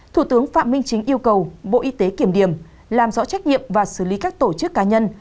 thủ tướng phạm minh chính yêu cầu bộ y tế kiểm điểm làm rõ trách nhiệm và xử lý các tổ chức cá nhân